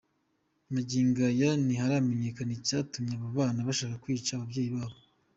Magingo aya ntiharamenyekana icyatumye aba bana bashaka kwica ababyeyi babo.